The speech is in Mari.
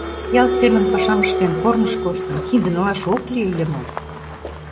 Ял семын пашам ыштен, корныш коштын, кинде налаш ок лий ыле мо?